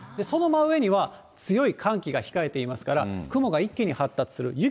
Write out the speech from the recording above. その真上には強い寒気が控えていますから、雲が一気に発達する。